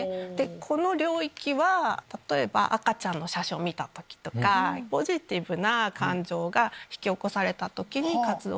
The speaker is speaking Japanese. この領域は例えば赤ちゃんの写真を見た時とかポジティブな感情が引き起こされた時に活動する。